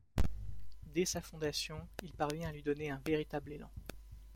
Dès sa fondation, il parvient à lui donner un véritable élan.